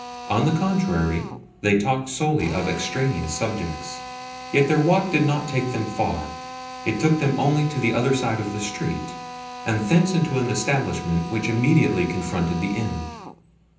On the contrary, they talked solely of extraneous subjects. Yet their walk did not take them far; it took them only to the other side of the street, and thence into an establishment which immediately confronted the inn.